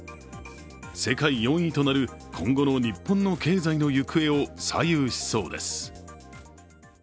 世界４位となる今後の日本の経済の行方を左右しそうです。